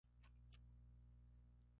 Inicialmente, no obtuvo mayor reconocimiento.